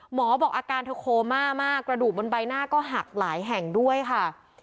บอกอาการเธอโคม่ามากกระดูกบนใบหน้าก็หักหลายแห่งด้วยค่ะ